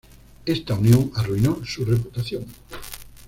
Esta unión arruinó su reputación.